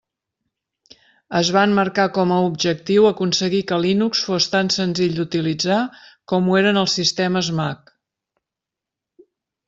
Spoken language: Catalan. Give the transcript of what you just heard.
Es van marcar com a objectiu aconseguir que Linux fos tan senzill d'utilitzar com ho eren els sistemes Mac.